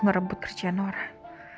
ngerebut kerjaan orang